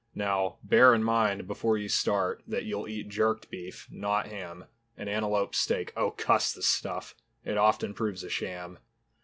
Now, bear in mind before you start, That you'll eat jerked beef, not ham, And antelope steak, Oh cuss the stuff! It often proves a sham.